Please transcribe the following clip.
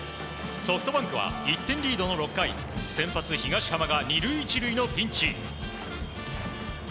ソフトバンクは１点リードの６回先発、東浜が２塁１塁のピンチ。